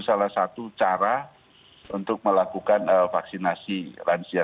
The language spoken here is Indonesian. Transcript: salah satu cara untuk melakukan vaksinasi lansia